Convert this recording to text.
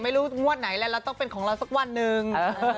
ไม่รู้งวดไหนแล้วแล้วต้องเป็นของเราสักวันหนึ่ง